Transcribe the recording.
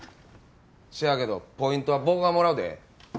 せやけどポイントは僕がもらうで。